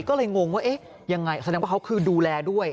ก็เลยงงว่าเอ๊ะยังไงแสดงว่าเขาคือดูแลด้วย